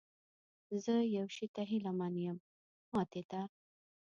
زه یو شي ته هیله من یم، ماتې ته؟